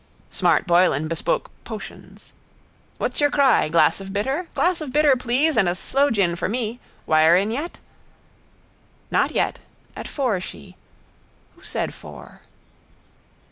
Smart Boylan bespoke potions. —What's your cry? Glass of bitter? Glass of bitter, please, and a sloegin for me. Wire in yet? Not yet. At four she. Who said four?